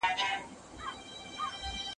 مسافر يار رايادوې تباه دې کړمه